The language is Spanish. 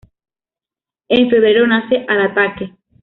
En febrero nace "¡Al ataque!